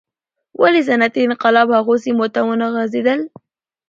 ولې صنعتي انقلاب هغو سیمو ته ونه غځېدل.